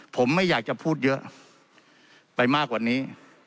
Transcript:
ผมไม่อยากจะพูดเยอะไปมากกว่านี้